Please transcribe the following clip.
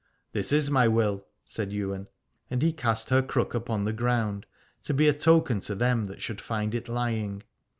This is my will, said Ywain : and he cast her crook upon the ground, to be a token to them that should find it lying.